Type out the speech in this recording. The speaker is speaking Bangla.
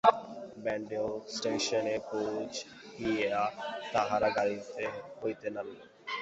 ব্যান্ডেল স্টেশনে পৌঁছিয়া তাহারা গাড়ি হইতে নামিল।